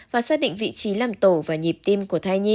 và xác định vị trí làm tổ và nhịp tim của thai nhi